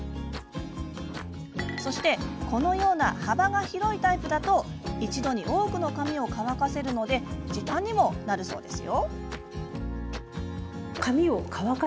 そして、このような幅が広いタイプだと一度に多くの髪を乾かせるので時短になるそうですよ。